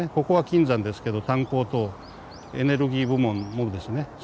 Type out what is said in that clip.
ここは金山ですけど炭鉱とエネルギー部門もですね